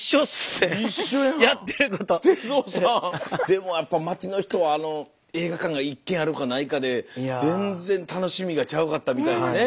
でもやっぱ町の人はあの映画館が１軒あるかないかで全然楽しみがちゃうかったみたいですね。